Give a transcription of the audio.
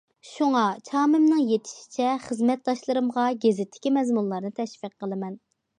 شۇڭا چامىمنىڭ يېتىشىچە خىزمەتداشلىرىمغا گېزىتتىكى مەزمۇنلارنى تەشۋىق قىلىمەن.